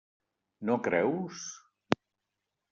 No creus?